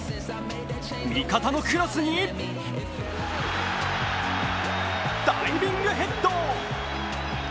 味方のクロスにダイビングヘッド。